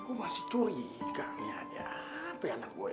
tapi gua masih curiga nih adanya apa ya anak gue